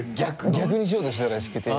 逆にしようとしたらしくて。